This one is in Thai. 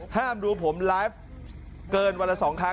ห้ามดูผมไลฟ์เกินวันละ๒ครั้ง